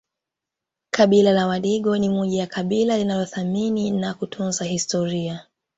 Kabila la wadigo ni moja ya kabila linalothamini na kutunza historia